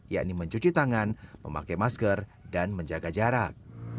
yakni mencuci tangan memakai masker dan menjaga jarak